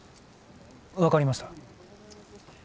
分かりました。